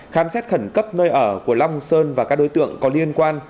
khám xét khẩn cấp nơi ở của long sơn và các đối tượng có liên quan